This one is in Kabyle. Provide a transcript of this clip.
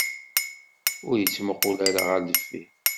Ur ittmuqul ara ɣer deffir.